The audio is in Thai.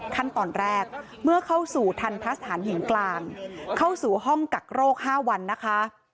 ขั้นตอนแรกเมื่อเข้าสู่ทันทะสถานหญิงกลางเข้าสู่ห้องกักโรค๕วันนะคะ